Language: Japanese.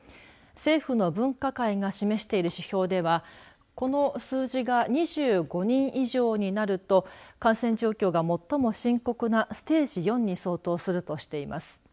政府の分科会が示している指標ではこの数字が２５人以上になると感染状況が最も深刻なステージ４に相当するとしています。